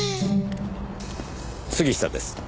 杉下です。